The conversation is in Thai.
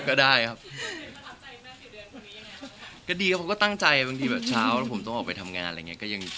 ก็น่าจริงนะครับก็ตั้งใจบางทีช้าผมต้องออกไปทำงานอะไรเงี้ย